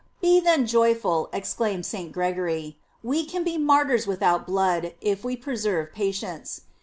Be then joyful, exclaims St. Gregory: We can be martyrs with out blood, if we preserve patience.